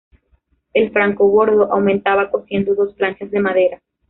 El franco bordo aumentaba cosiendo dos planchas de madera.